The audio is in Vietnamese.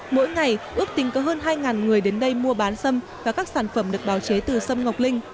mỗi ngày ước tính có hơn hai người đến đây mua bán sâm và các sản phẩm được bào chế từ sâm ngọc linh